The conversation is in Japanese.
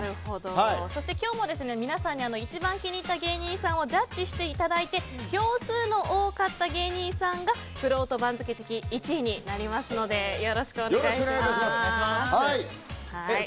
そして今日も皆さんに一番気に入った芸人さんをジャッジしていただいて票数の多かった芸人さんがくろうと番付的１位になりますのでよろしくお願いします。